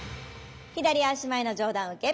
左足前の上段受け。